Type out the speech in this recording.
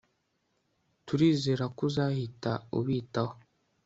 Turizera ko uzahita ubitaho